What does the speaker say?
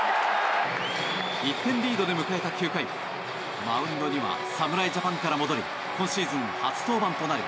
１点リードで迎えた９回マウンドには侍ジャパンから戻り今シーズン初登板となる